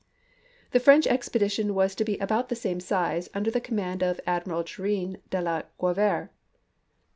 The French expedition was to be about the same size, under the command of Admiral Jurien de la Graviere.